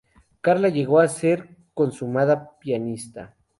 Karla llegó a ser una consumada pianista.